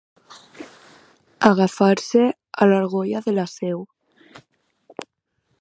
Agafar-se a l'argolla de la Seu.